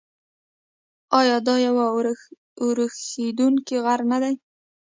آیا دا یو اورښیندونکی غر نه دی؟